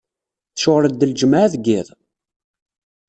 Tceɣleḍ d lǧemɛa deg yiḍ?